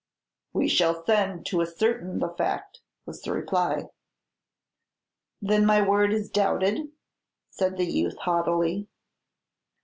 "We shall send to ascertain the fact," was the reply. "Then my word is doubted!" said the youth haughtily.